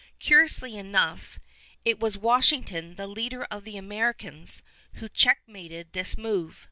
Curiously enough, it was Washington, the leader of the Americans, who checkmated this move.